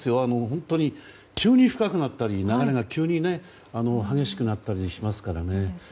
本当に、急に深くなったり流れが急に激しくなったりしますからね。